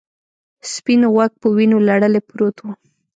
سپین غوږ په وینو لړلی پروت و.